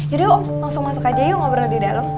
yaudah om langsung masuk aja yuk ngobrol di dalam